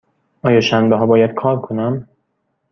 آیا شنبه ها باید کار کنم؟